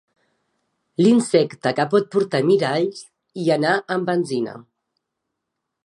L'insecte que pot portar miralls i anar amb benzina.